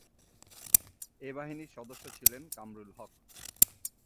এ বাহিনীর সদস্য ছিলেন কামরুল হক।